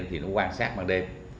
thì nó quan sát ban đêm